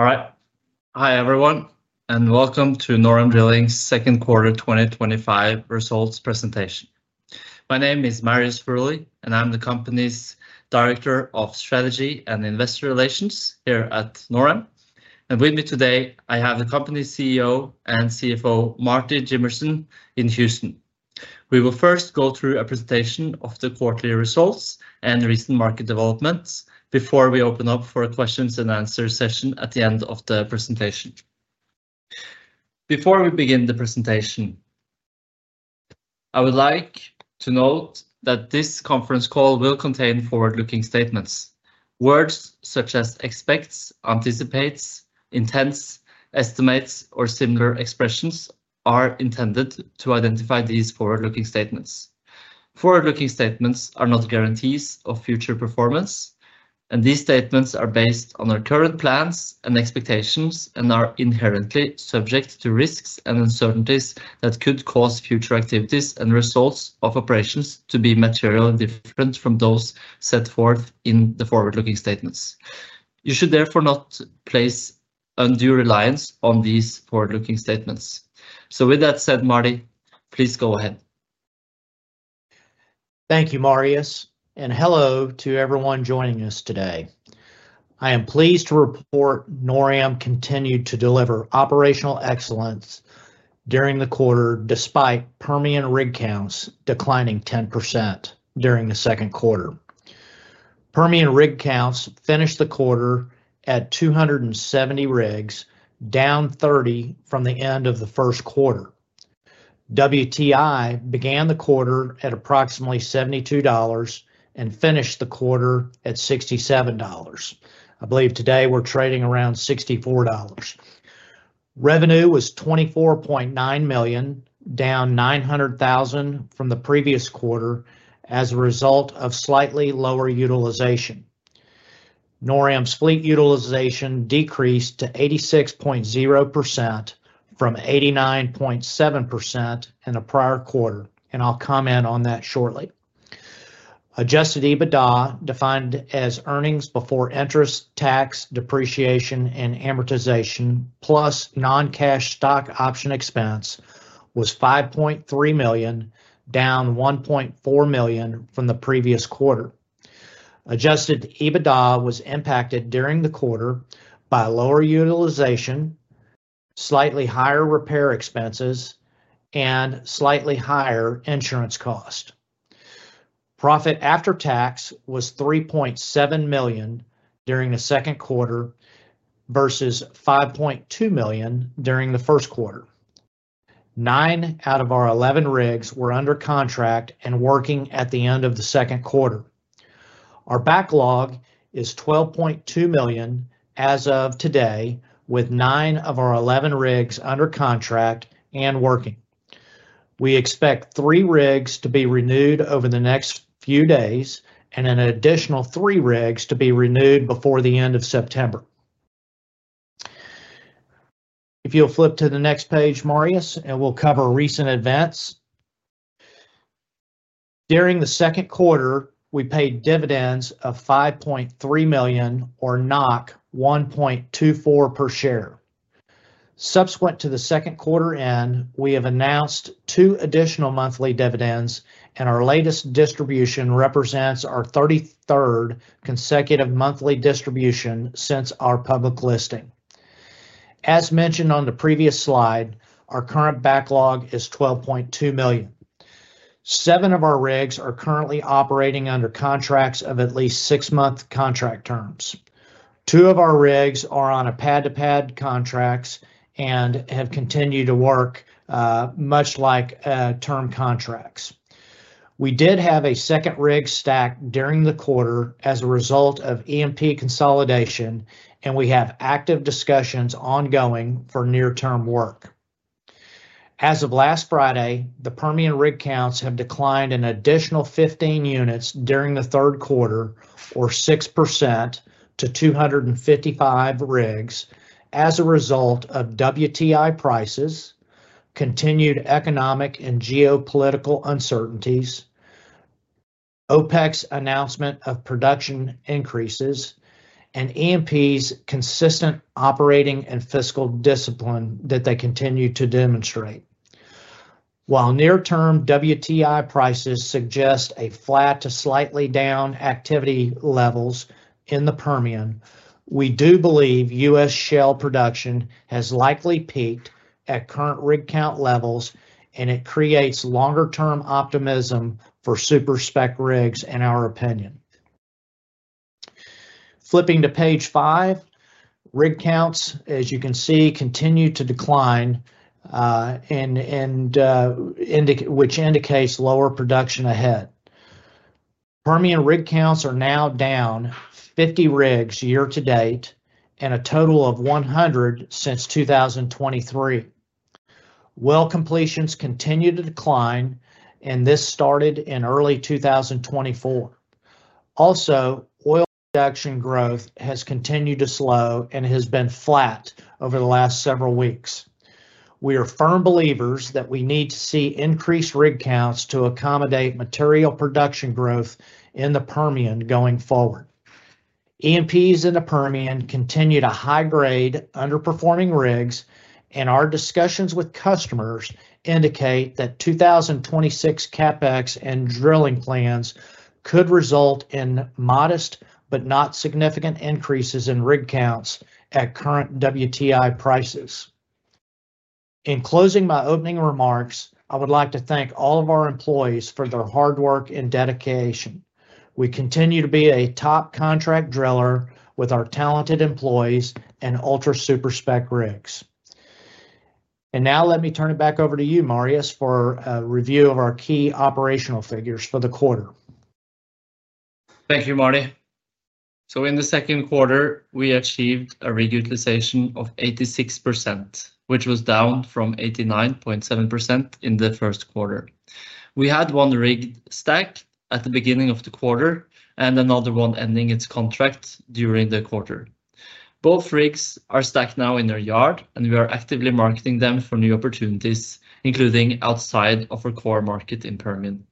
Alright, hi everyone, and welcome to NorAm Drilling's Second Quarter 2025 Results Presentation. My name is Marius Furuly, and I'm the company's Director of Strategy and Investor Relations here at NorAm. With me today, I have the company's CEO and CFO, Marty Jimmerson, in Houston. We will first go through a presentation of the quarterly results and recent market developments before we open up for a questions-and-answers session at the end of the presentation. Before we begin the presentation, I would like to note that this conference call will contain forward-looking statements. Words such as "expects," "anticipates," "intends," "estimates," or similar expressions are intended to identify these forward-looking statements. Forward-looking statements are not guarantees of future performance, and these statements are based on our current plans and expectations and are inherently subject to risks and uncertainties that could cause future activities and results of operations to be materially different from those set forth in the forward-looking statements. You should therefore not place undue reliance on these forward-looking statements. With that said, Marty, please go ahead. Thank you, Marius, and hello to everyone joining us today. I am pleased to report NorAm continued to deliver operational excellence during the quarter despite Permian rig counts declining 10% during the second quarter. Permian rig counts finished the quarter at 270 rigs, down 30 from the end of the first quarter. WTI began the quarter at approximately $72 and finished the quarter at $67. I believe today we're trading around $64. Revenue was $24.9 million, down $900,000 from the previous quarter as a result of slightly lower utilization. NorAm's fleet utilization decreased to 86.0% from 89.7% in the prior quarter, and I'll comment on that shortly. Adjusted EBITDA, defined as earnings before interest, tax, depreciation, and amortization plus non-cash stock option expense, was $5.3 million, down $1.4 million from the previous quarter. Adjusted EBITDA was impacted during the quarter by lower utilization, slightly higher repair expenses, and slightly higher insurance cost. Profit after tax was $3.7 million during the second quarter versus $5.2 million during the first quarter. Nine out of our 11 rigs were under contract and working at the end of the second quarter. Our backlog is $12.2 million as of today, with nine of our 11 rigs under contract and working. We expect three rigs to be renewed over the next few days and an additional three rigs to be renewed before the end of September. If you'll flip to the next page, Marius, and we'll cover recent events. During the second quarter, we paid dividends of $5.3 million or 1.24 per share. Subsequent to the second quarter end, we have announced two additional monthly dividends, and our latest distribution represents our 33rd consecutive monthly distribution since our public listing. As mentioned on the previous slide, our current backlog is $12.2 million. Seven of our rigs are currently operating under contracts of at least six-month contract terms. Two of our rigs are on a pad-to-pad contract and have continued to work, much like term contracts. We did have a second rig stacked during the quarter as a result of E&P consolidation, and we have active discussions ongoing for near-term work. As of last Friday, the Permian rig counts have declined an additional 15 units during the third quarter, or 6% to 255 rigs, as a result of WTI prices, continued economic and geopolitical uncertainties, OPEC's announcement of production increases, and E&P's consistent operating and fiscal discipline that they continue to demonstrate. While near-term WTI prices suggest flat to slightly down activity levels in the Permian, we do believe U.S. shale production has likely peaked at current rig count levels, and it creates longer-term optimism for super-spec rigs, in our opinion. Flipping to page five, rig counts, as you can see, continue to decline, which indicates lower production ahead. Permian rig counts are now down 50 rigs year-to-date and a total of 100 since 2023. Well completions continue to decline, and this started in early 2024. Also, oil production growth has continued to slow and has been flat over the last several weeks. We are firm believers that we need to see increased rig counts to accommodate material production growth in the Permian going forward. E&Ps in the Permian continue to high-grade underperforming rigs, and our discussions with customers indicate that 2026 CapEx and drilling plans could result in modest but not significant increases in rig counts at current WTI prices. In closing my opening remarks, I would like to thank all of our employees for their hard work and dedication. We continue to be a top contract driller with our talented employees and ultra super spec rigs. Now let me turn it back over to you, Marius, for a review of our key operational figures for the quarter. Thank you, Marty. In the second quarter, we achieved a rig utilization of 86%, which was down from 89.7% in the first quarter. We had one rig stacked at the beginning of the quarter and another one ending its contract during the quarter. Both rigs are stacked now in our yard, and we are actively marketing them for new opportunities, including outside of our core market in the Permian.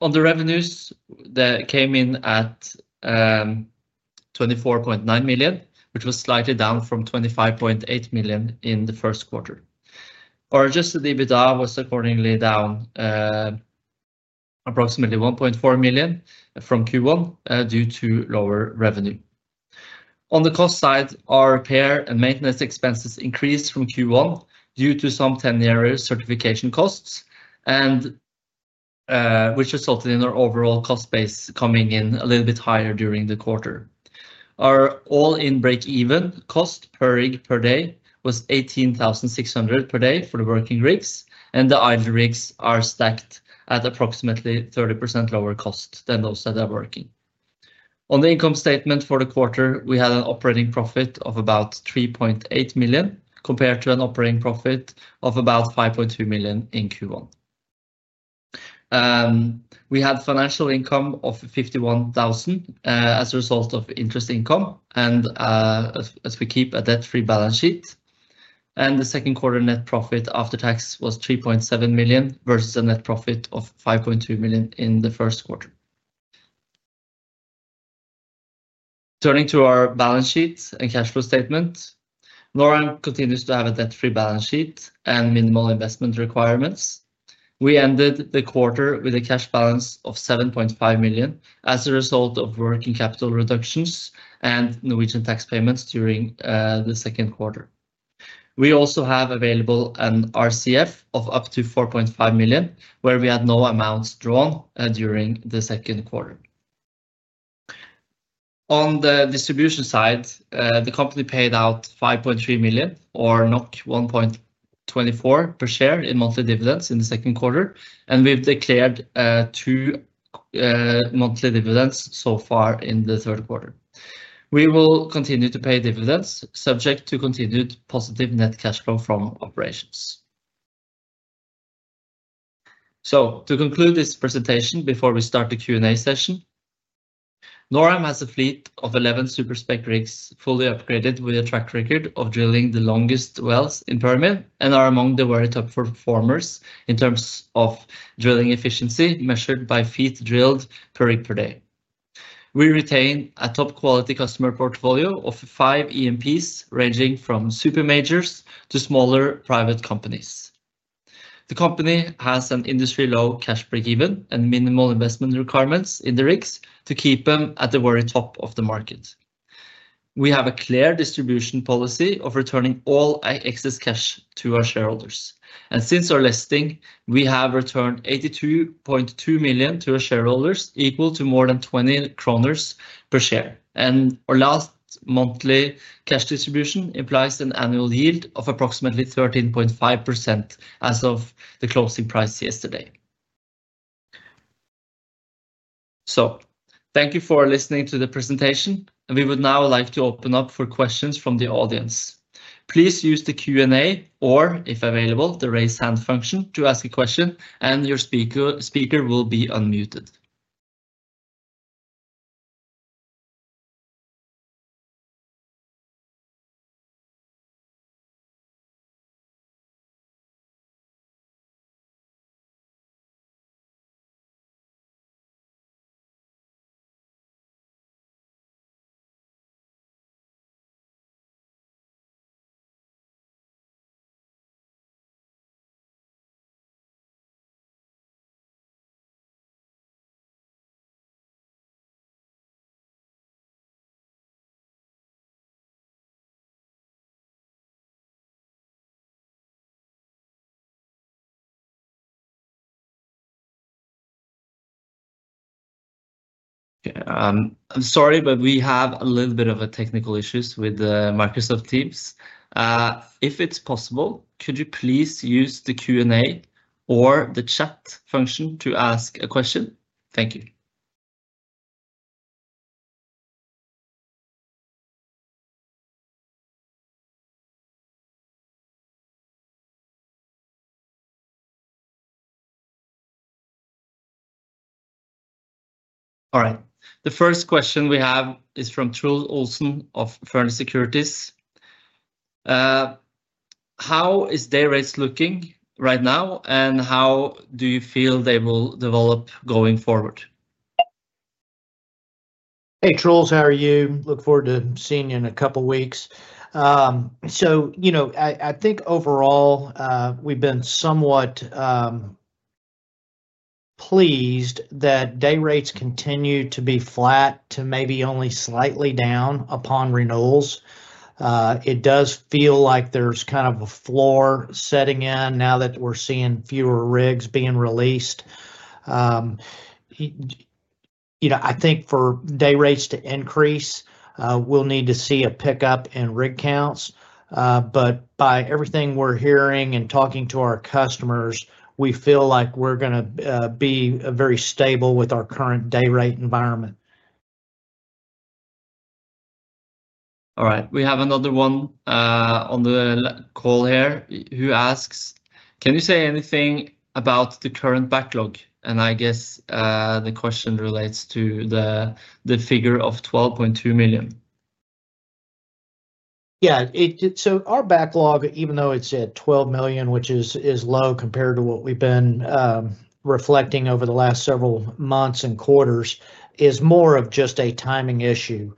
On the revenues, they came in at $24.9 million, which was slightly down from $25.8 million in the first quarter. Our adjusted EBITDA was accordingly down approximately $1.4 million from Q1 due to lower revenue. On the cost side, our repair and maintenance expenses increased from Q1 due to some 10-year certification costs, which resulted in our overall cost base coming in a little bit higher during the quarter. Our all-in break-even cost per rig per day was $18,600 per day for the working rigs, and the idle rigs are stacked at approximately 30% lower cost than those that are working. On the income statement for the quarter, we had an operating profit of about $3.8 million compared to an operating profit of about $5.2 million in Q1. We had financial income of $51,000 as a result of interest income and as we keep a debt-free balance sheet. The second quarter net profit after tax was $3.7 million versus a net profit of $5.2 million in the first quarter. Turning to our balance sheets and cash flow statements, NorAm continues to have a debt-free balance sheet and minimal investment requirements. We ended the quarter with a cash balance of $7.5 million as a result of working capital reductions and Norwegian tax payments during the second quarter. We also have available an RCF of up to $4.5 million, where we had no amounts drawn during the second quarter. On the distribution side, the company paid out $5.3 million or 1.24 per share in monthly dividends in the second quarter, and we've declared two monthly dividends so far in the third quarter. We will continue to pay dividends subject to continued positive net cash flow from operations. To conclude this presentation before we start the Q&A session, NorAm Drilling has a fleet of 11 super-spec rigs fully upgraded with a track record of drilling the longest wells in the Permian and are among the very top performers in terms of drilling efficiency measured by feet drilled per rig per day. We retain a top-quality customer portfolio of five E&Ps ranging from super majors to smaller private companies. The company has an industry-level cash break-even and minimal investment requirements in the rigs to keep them at the very top of the market. We have a clear distribution policy of returning all excess cash to our shareholders, and since our listing, we have returned $82.2 million to our shareholders, equal to more than 20 kroner per share. Our last monthly cash distribution implies an annual yield of approximately 13.5% as of the closing price yesterday. Thank you for listening to the presentation, and we would now like to open up for questions from the audience. Please use the Q&A or, if available, the raise hand function to ask a question, and your speaker will be unmuted. I'm sorry, but we have a little bit of technical issues with Microsoft Teams. If it's possible, could you please use the Q&A or the chat function to ask a question? Thank you. All right. The first question we have is from Trul Olsen of Fearnley Securities. How is their rate looking right now, and how do you feel they will develop going forward? Hey Truls, how are you? Look forward to seeing you in a couple of weeks. I think overall we've been somewhat pleased that day rates continue to be flat to maybe only slightly down upon renewals. It does feel like there's kind of a floor setting in now that we're seeing fewer rigs being released. I think for day rates to increase, we'll need to see a pickup in rig counts. By everything we're hearing and talking to our customers, we feel like we're going to be very stable with our current day rate environment. All right. We have another one on the call here who asks, can you say anything about the current backlog? I guess the question relates to the figure of $12.2 million. Yeah, so our backlog, even though it's at $12 million, which is low compared to what we've been reflecting over the last several months and quarters, is more of just a timing issue.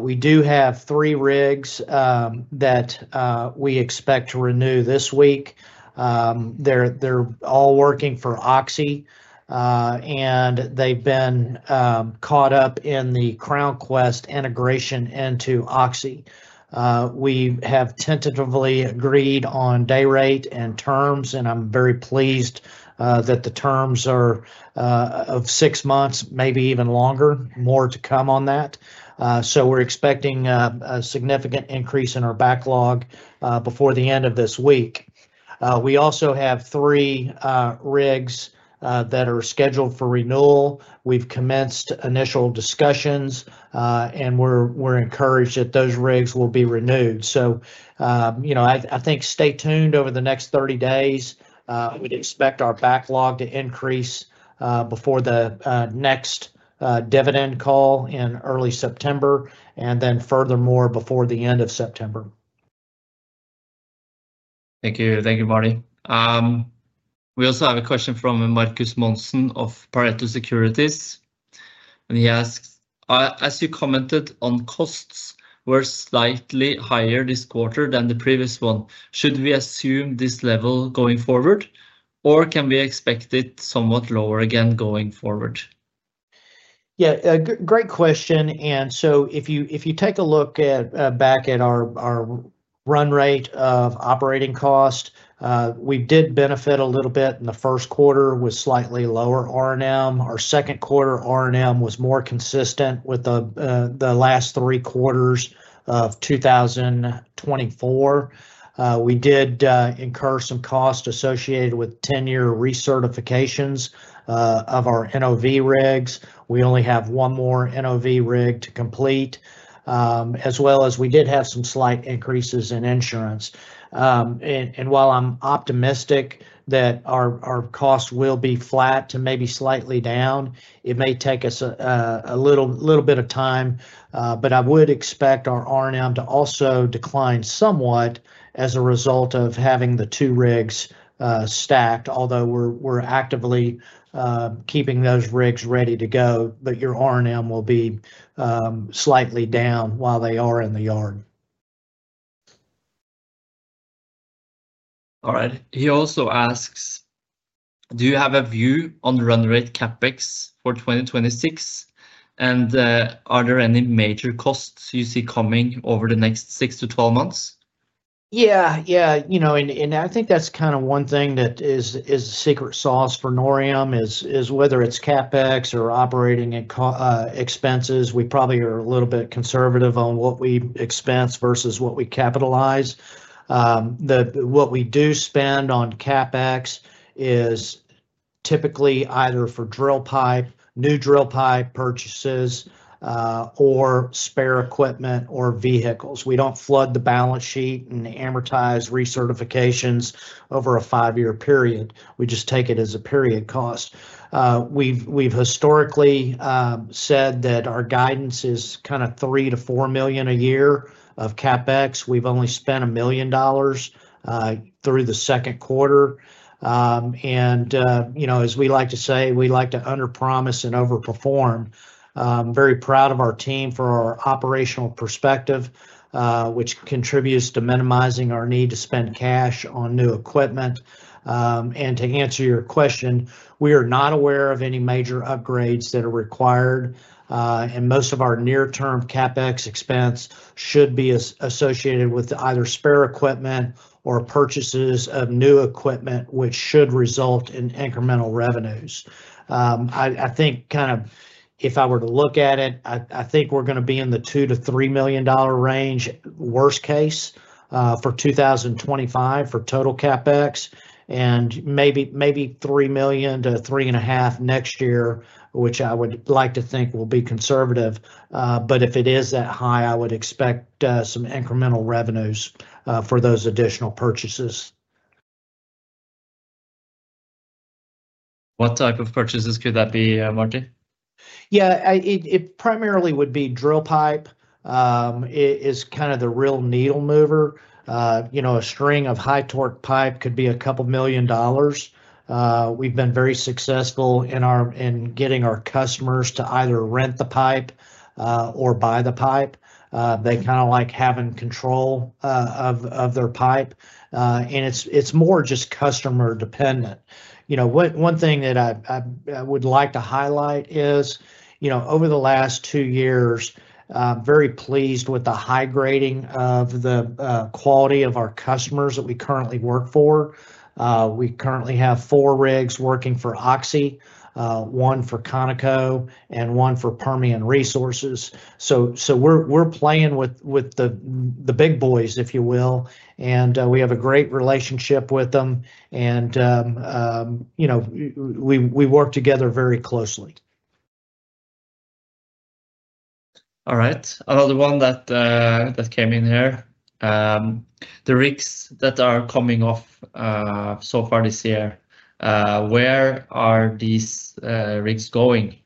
We do have three rigs that we expect to renew this week. They're all working for Oxy, and they've been caught up in the Crown Quest integration into Oxy. We have tentatively agreed on day rate and terms, and I'm very pleased that the terms are of six months, maybe even longer. More to come on that. We're expecting a significant increase in our backlog before the end of this week. We also have three rigs that are scheduled for renewal. We've commenced initial discussions, and we're encouraged that those rigs will be renewed. I think stay tuned over the next 30 days. We'd expect our backlog to increase before the next dividend call in early September, and then furthermore before the end of September. Thank you. Thank you, Marty. We also have a question from Marcus Monsen of Pareto Securities, and he asks, as you commented on costs, were slightly higher this quarter than the previous one. Should we assume this level going forward, or can we expect it somewhat lower again going forward? Yeah, great question. If you take a look back at our run rate of operating cost, we did benefit a little bit in the first quarter with slightly lower R&M. Our second quarter R&M was more consistent with the last three quarters of 2024. We did incur some costs associated with 10-year recertifications of our NOV rigs. We only have one more NOV rig to complete, as well as we did have some slight increases in insurance. While I'm optimistic that our costs will be flat to maybe slightly down, it may take us a little bit of time, but I would expect our R&M to also decline somewhat as a result of having the two rigs stacked, although we're actively keeping those rigs ready to go. Your R&M will be slightly down while they are in the yard. All right. He also asks, do you have a view on run rate CapEx for 2026, and are there any major costs you see coming over the next 6 to 12 months? Yeah, yeah, you know, and I think that's kind of one thing that is the secret sauce for NorAm, is whether it's CapEx or operating expenses. We probably are a little bit conservative on what we expense versus what we capitalize. What we do spend on CapEx is typically either for drill pipe, new drill pipe purchases, or spare equipment or vehicles. We don't flood the balance sheet and amortize recertifications over a five-year period. We just take it as a period cost. We've historically said that our guidance is kind of $3 million-$4 million a year of CapEx. We've only spent $1 million through the second quarter. You know, as we like to say, we like to underpromise and overperform. I'm very proud of our team for our operational perspective, which contributes to minimizing our need to spend cash on new equipment. To answer your question, we are not aware of any major upgrades that are required, and most of our near-term CapEx expense should be associated with either spare equipment or purchases of new equipment, which should result in incremental revenues. I think kind of if I were to look at it, I think we're going to be in the $2 million-$3 million range, worst case, for 2025 for total CapEx, and maybe $3 million-$3.5 million next year, which I would like to think will be conservative. If it is that high, I would expect some incremental revenues for those additional purchases. What type of purchases could that be, Marty? Yeah, it primarily would be drill pipe. It is kind of the real needle mover. You know, a string of high-torque pipe could be a couple million dollars. We've been very successful in getting our customers to either rent the pipe or buy the pipe. They kind of like having control of their pipe, and it's more just customer dependent. One thing that I would like to highlight is, over the last two years, I'm very pleased with the high grading of the quality of our customers that we currently work for. We currently have four rigs working for Oxy, one for Conoco, and one for Permian Resources. We're playing with the big boys, if you will, and we have a great relationship with them, and we work together very closely. All right. Another one that came in here, the rigs that are coming off so far this year, where are these rigs going?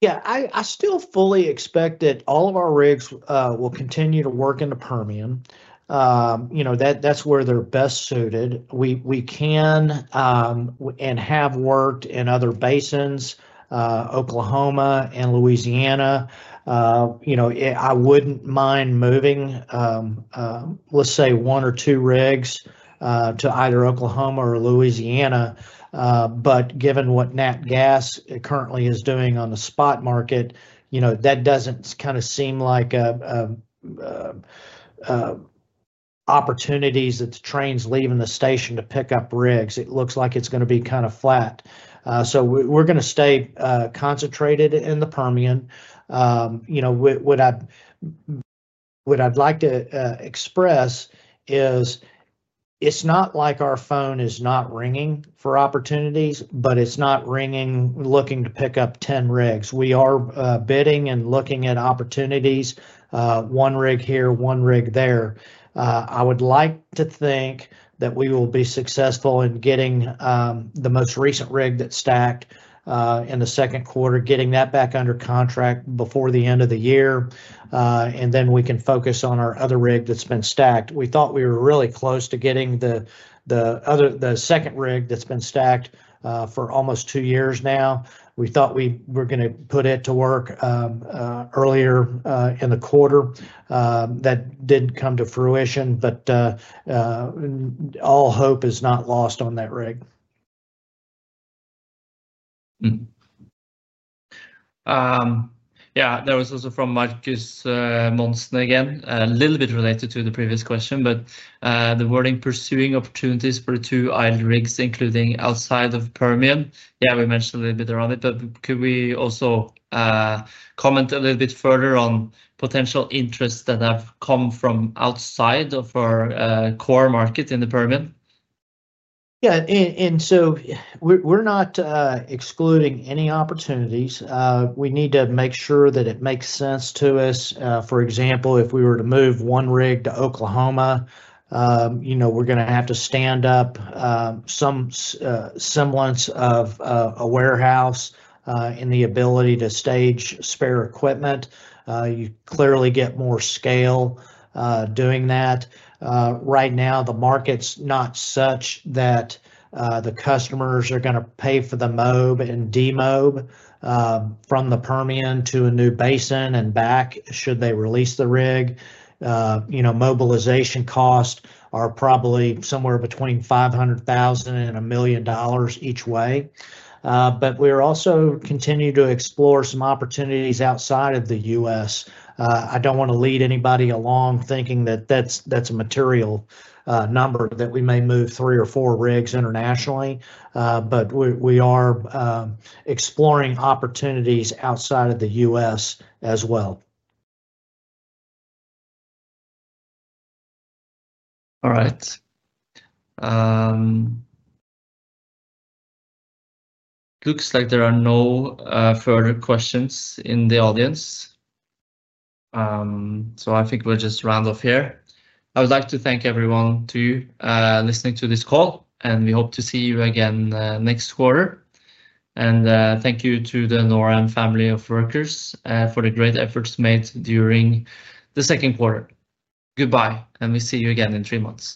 Yeah, I still fully expect that all of our rigs will continue to work in the Permian. You know, that's where they're best suited. We can and have worked in other basins, Oklahoma and Louisiana. I wouldn't mind moving, let's say, one or two rigs to either Oklahoma or Louisiana. Given what Nat Gas currently is doing on the spot market, that doesn't kind of seem like opportunities that the train's leaving the station to pick up rigs. It looks like it's going to be kind of flat. We're going to stay concentrated in the Permian. What I'd like to express is it's not like our phone is not ringing for opportunities, but it's not ringing looking to pick up 10 rigs. We are bidding and looking at opportunities, one rig here, one rig there. I would like to think that we will be successful in getting the most recent rig that's stacked in the second quarter, getting that back under contract before the end of the year, and then we can focus on our other rig that's been stacked. We thought we were really close to getting the second rig that's been stacked for almost two years now. We thought we were going to put it to work earlier in the quarter. That didn't come to fruition, but all hope is not lost on that rig. Yeah, that was also from Marcus Monsen again, a little bit related to the previous question, but the wording pursuing opportunities for the two island rigs, including outside of Permian. We mentioned a little bit around it, but could we also comment a little bit further on potential interests that have come from outside of our core market in the Permian? Yeah, we're not excluding any opportunities. We need to make sure that it makes sense to us. For example, if we were to move one rig to Oklahoma, you know, we're going to have to stand up some semblance of a warehouse and the ability to stage spare equipment. You clearly get more scale doing that. Right now, the market's not such that the customers are going to pay for the mob and demob from the Permian to a new basin and back should they release the rig. Mobilization costs are probably somewhere between $500,000 and $1 million each way. We are also continuing to explore some opportunities outside of the U.S. I don't want to lead anybody along thinking that that's a material number, that we may move three or four rigs internationally, but we are exploring opportunities outside of the U.S. as well. All right. Looks like there are no further questions in the audience. I think we'll just round off here. I would like to thank everyone to listen to this call, and we hope to see you again next quarter. Thank you to the NorAm family of workers for the great efforts made during the second quarter. Goodbye, and we'll see you again in three months.